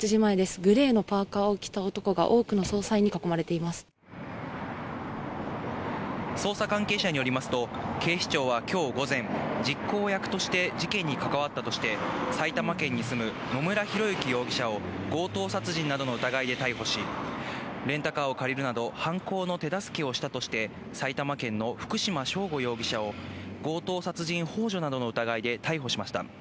グレーのパーカーを着た男が、捜査関係者によりますと、警視庁はきょう午前、実行役として事件に関わったとして、埼玉県に住む野村広之容疑者を、強盗殺人などの疑いで逮捕し、レンタカーを借りるなど、犯行の手助けをしたとして、埼玉県の福島聖悟容疑者を強盗殺人ほう助などの疑いで逮捕しました。